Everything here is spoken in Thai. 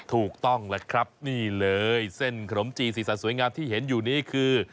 ถูกต้องแล้วครับนี่เลยเส้นขนมจีนสีสันสวยงามที่เห็นอยู่นี้คือ